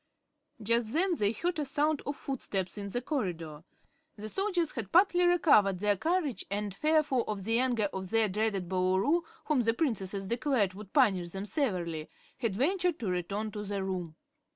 Just then they heard a sound of footsteps in the corridor. The soldiers had partly recovered their courage and, fearful of the anger of their dreaded Boolooroo, whom the Princesses declared would punish them severely, had ventured to return to the room.